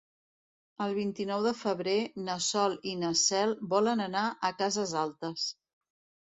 El vint-i-nou de febrer na Sol i na Cel volen anar a Cases Altes.